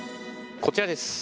こちらです。